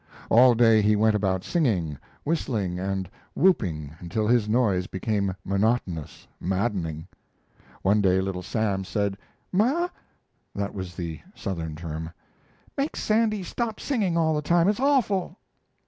All day he went about singing, whistling, and whooping until his noise became monotonous, maddening. One day Little Sam said: "Ma [that was the Southern term] make Sandy stop singing all the time. It's awful."